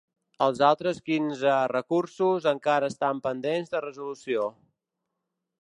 Els altres quinze recursos encara estan pendents de resolució.